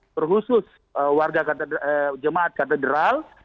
terkhusus warga jemaat katedral